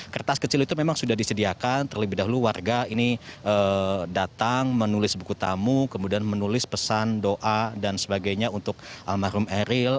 kertas kecil itu memang sudah disediakan terlebih dahulu warga ini datang menulis buku tamu kemudian menulis pesan doa dan sebagainya untuk almarhum eril